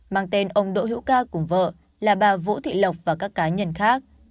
mang tên ông đỗ hữu ca cùng vợ là bà vũ thị lộc và các cá nhân khác